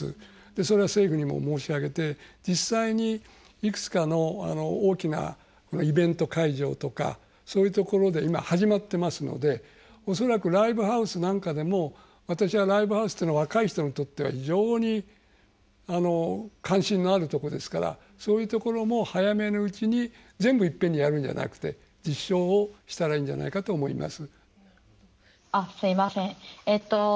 それは政府にも申し上げて実際にいくつかの大きなイベント会場とかそういうところで今始まってますので恐らくライブハウスなんかでも私はライブハウスというのは若い人にとっては非常に関心のあるとこですからそういうところも早めのうちに全部いっぺんにやるんじゃなくて実証をしたらいいんじゃないかと思います。